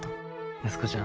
安子ちゃん。